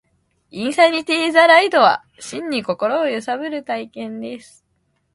インサニティ・ザ・ライドは、真に心を揺さぶる体験です